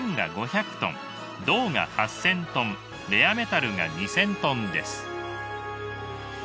銅が８，０００ｔレアメタルが２，０００ｔです。